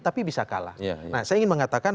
tapi bisa kalah nah saya ingin mengatakan